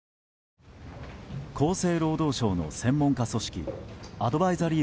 厚生労働省の専門家組織アドバイザリー